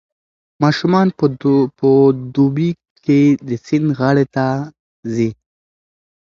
ماشومان په دوبي کې د سیند غاړې ته ځي.